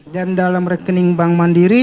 dan dalam rekening bank mandiri